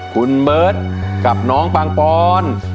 คุณเบิร์ตกับน้องปังปอน